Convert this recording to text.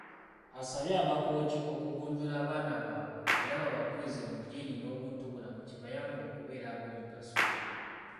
Asabye Abakooki okugunjula abaana baabwe era babakulize mu ddiini n'obuntu bulamu kibayambe okubeera ab'omugaso.